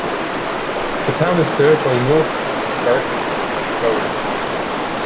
The town is served by North Berwick railway station.